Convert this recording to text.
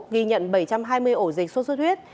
ghi nhận bảy trăm hai mươi ổ dịch sốt xuất huyết